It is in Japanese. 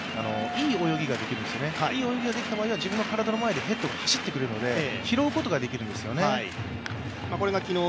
いい泳ぎができたときは自分の体の前でヘッドが走ってくれるので拾うことができるんですよね。